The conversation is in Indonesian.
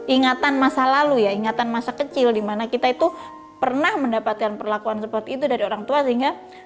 ingatan masa lalu ya ingatan masa kecil dimana kita itu pernah mendapatkan perlakuan seperti itu dari orang tua sehingga